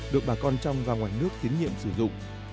được bà con trong và ngoài nước tiến nhiệm sử dụng